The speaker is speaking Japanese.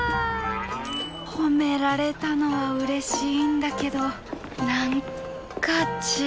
褒められたのはうれしいんだけど何か違う。